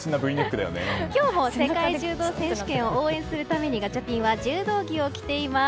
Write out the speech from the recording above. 今日も世界柔道選手権を応援するためにガチャピンは柔道着を着ています。